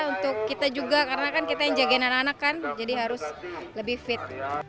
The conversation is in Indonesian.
untuk kita juga karena kan kita yang jagain anak anak kan jadi harus lebih fit